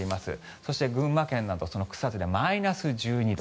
そして、群馬県の草津などマイナス１２度。